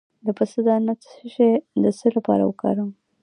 د پسته دانه د څه لپاره وکاروم؟